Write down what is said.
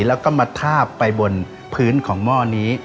แล้วก็มาทาบไปบนพื้นของหม้อนี้